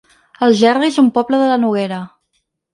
Algerri es un poble de la Noguera